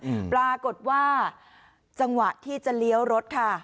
อืมปรากฏว่าจังหวะที่จะเลี้ยวรถค่ะ